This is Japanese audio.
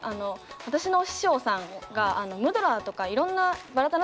私のお師匠さんがムドラーとかいろんなバラタ